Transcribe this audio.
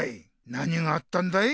何があったんだい？